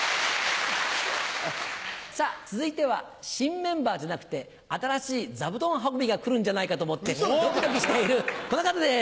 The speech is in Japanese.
さぁ続いては新メンバーじゃなくて新しい座布団運びが来るんじゃないかと思ってドキドキしているこの方です！